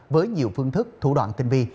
với nhiều phương thức thủ đoạn tinh vi